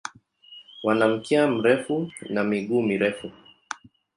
Wana mkia mrefu na miguu mirefu.